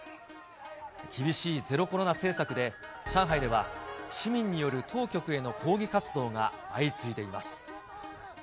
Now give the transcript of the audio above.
厳しいゼロコロナ政策で、上海では市民による当局への抗議活動が相次いでいます。